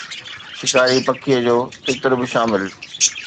شڪاري پکيءَ جو تتر به شامل آهي